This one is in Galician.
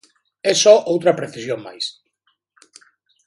E só outra precisión máis.